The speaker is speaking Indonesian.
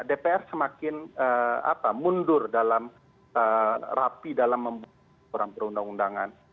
dpr semakin mundur dalam rapi dalam membuat orang perundang undangan